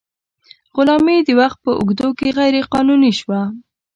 غلامي د وخت په اوږدو کې غیر قانوني شوه.